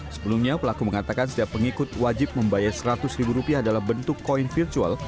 sebelumnya pelaku mengatakan setiap pengikut wajib membayar seratus ribu rupiah dalam bentuk koin virtual